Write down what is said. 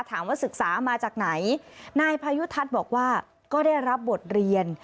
ศึกษามาจากไหนนายพายุทัศน์บอกว่าก็ได้รับบทเรียน